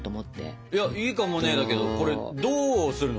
いいかもねだけどこれどうするの？